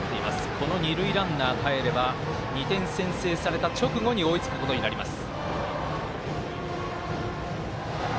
この二塁ランナーかえれば２点先制された直後追いつくことになります。